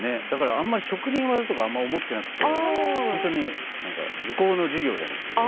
あんまり職人技とか持ってなくて図工の授業じゃないですか。